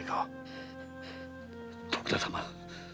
徳田様